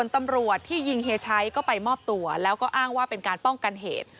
ตำรวจที่ยิงเฮียชัยก็ไปมอบตัวแล้วก็อ้างว่าเป็นการป้องกันเหตุ